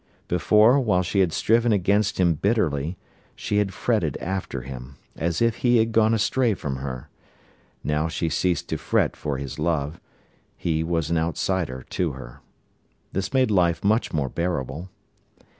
Before, while she had striven against him bitterly, she had fretted after him, as if he had gone astray from her. Now she ceased to fret for his love: he was an outsider to her. This made life much more bearable.